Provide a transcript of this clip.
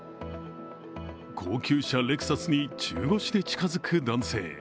高級車レクサスに中腰で近づく男性。